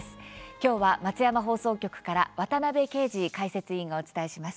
今日は松山放送局から渡部圭司解説委員がお伝えします。